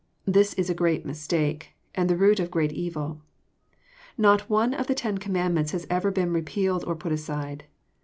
This is a great mistake, and the root of great evil. Not one of the ten com mandments has ever been repealed or put aside.